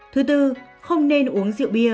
thứ tư không nên uống rượu bia